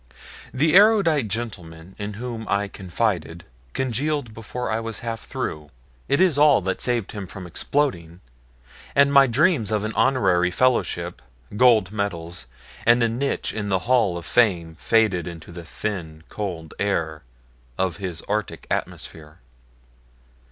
The erudite gentleman in whom I confided congealed before I was half through! it is all that saved him from exploding and my dreams of an Honorary Fellowship, gold medals, and a niche in the Hall of Fame faded into the thin, cold air of his arctic atmosphere.